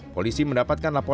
polisi mendapatkan laporan